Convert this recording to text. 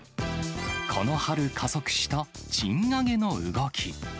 この春、加速した賃上げの動き。